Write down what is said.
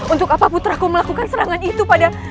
untuk apa putraku melakukan serangan itu pada